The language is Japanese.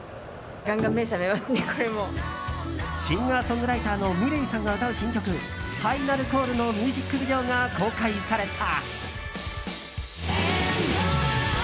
シンガーソングライターのｍｉｌｅｔさんが歌う新曲「ＦｉｎａｌＣａｌｌ」のミュージックビデオが公開された。